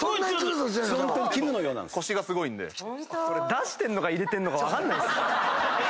出してんのか入れてんのか分かんないっすね。